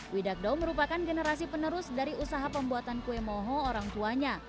widagdo merupakan generasi penerus dari usaha pembuatan kue moho orang tuanya